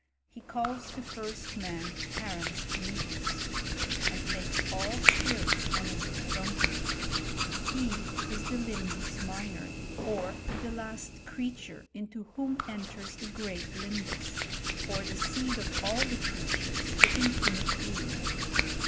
He calls the first man parens hominis; and makes all spirits emanate from him. He is the limhus minor y or the last crea« ture, into whom enters the great limbus, or the seed. of all the creatures, the infinite being.